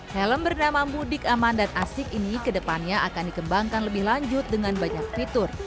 helm bernama mudik aman dan asik ini kedepannya akan dikembangkan lebih lanjut dengan banyak fitur